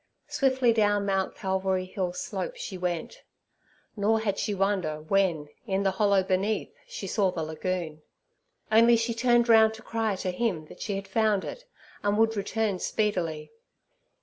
Swiftly down Mount Calvary Hill slope she went; nor had she wonder when, in the hollow beneath, she saw the lagoon. Only she turned round to cry to Him that she had found it, and would return speedily.